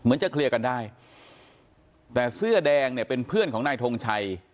จะเคลียร์กันได้แต่เสื้อแดงเนี่ยเป็นเพื่อนของนายทงชัย